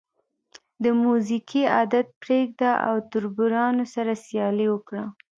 د موزیګي عادت پرېږده او تربورانو سره سیالي وکړه.